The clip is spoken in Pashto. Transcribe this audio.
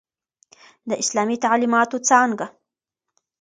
د اسلامی تعليماتو څانګه